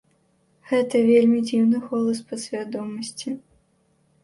Гэта вельмі дзіўны голас падсвядомасці.